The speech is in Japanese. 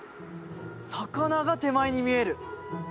魚が手前に見える！